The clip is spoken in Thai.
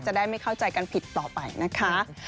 ได้ไม่เข้าใจกันผิดต่อไปนะคะ